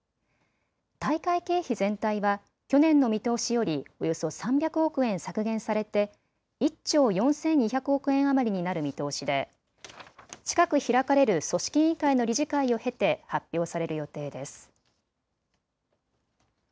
大会経費全体は去年の見通しよりおよそ３００億円削減されて１兆４２００億円余りになる見通しで近く開かれる組織委員会の理事会を経て発表される予定です。